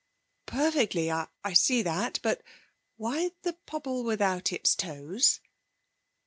'Perfectly. I see that. But why the pobble without its toes?'